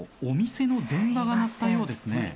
お店の電話が鳴ったようですね。